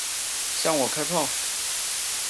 向我开炮！